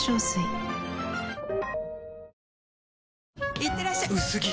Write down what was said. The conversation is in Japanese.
いってらっしゃ薄着！